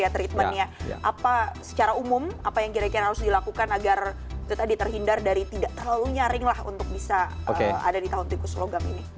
treatmentnya apa secara umum apa yang kira kira harus dilakukan agar itu tadi terhindar dari tidak terlalu nyaring lah untuk bisa ada di tahun tikus logam ini